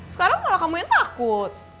sekarang kalau kamu yang takut